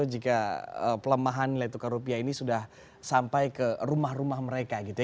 jika pelemahan nilai tukar rupiah ini sudah sampai ke rumah rumah mereka gitu ya